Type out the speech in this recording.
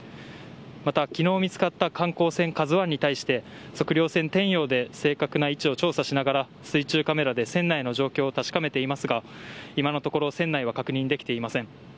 また、昨日見つかった観光船「ＫＡＺＵ１」に対して測量船「天洋」で正確な位置を調査しながら水中カメラで船内の状況を確かめていますが今のところ船内は確認できていません。